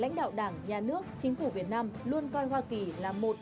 lãnh đạo đảng nhà nước chính phủ việt nam luôn coi hoa kỳ là một